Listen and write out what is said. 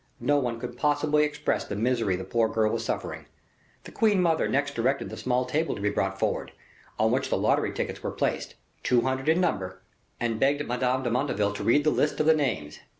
No one could possibly express the misery the poor girl was suffering. The queen mother next directed the small table to be brought forward, on which the lottery tickets were placed, two hundred in number, and begged Madame de Motteville to read the list of the names.